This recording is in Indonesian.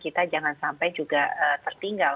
kita jangan sampai juga tertinggal